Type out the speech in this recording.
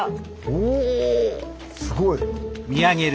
おぉすごい！